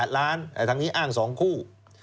๑๘ล้านแต่ทั้งนี้อ้าง๒คู่